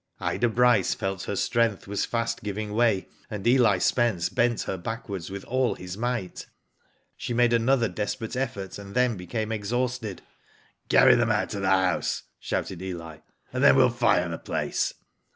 Ida Bryce felt her strength was fast giving way, and Eli Spence bent her backwards with all his might. She made another desperate effort and then became exhausted. Carry them out of the house," shouted Eli, and then we'll fire the place.